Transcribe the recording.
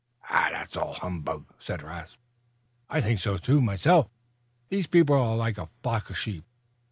"That's all humbug!" "I think so, myself. These people are like a flock of sheep.